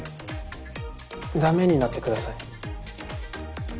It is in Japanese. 駄目になってください。